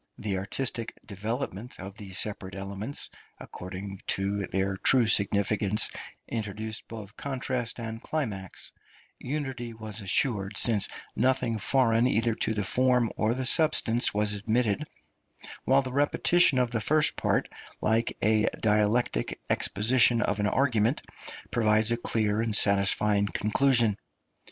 The artistic development of the separate elements, according to their true significance, introduced both contrast and climax; unity was assured, since nothing foreign either to the form or the substance was admitted; while the repetition of the first part, like a dialectic exposition of an argument, provided a clear and satisfying conclusion.